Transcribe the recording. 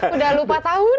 udah lupa tahun